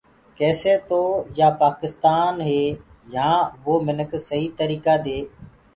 ڪيسي تو يآ پآڪستآني يهآنٚ وو منک سئيٚ تريٚڪآ دي